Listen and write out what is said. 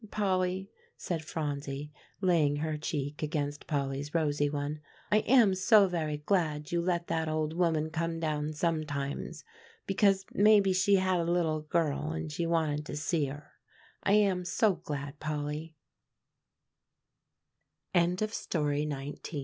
"Polly," said Phronsie, laying her cheek against Polly's rosy one, "I am so very glad you let that old woman come down sometimes, because maybe she had a little girl and she wanted to see her.